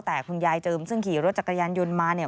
แต่คุณยายเจิมซึ่งขี่รถจักรยานยนต์มาเนี่ย